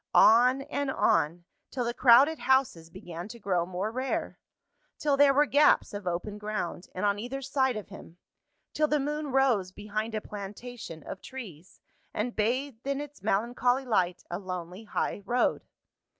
On and on, till the crowded houses began to grow more rare till there were gaps of open ground, on either side of him till the moon rose behind a plantation of trees, and bathed in its melancholy light a lonely high road.